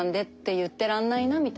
言ってらんない。